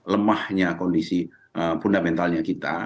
lemahnya kondisi fundamentalnya kita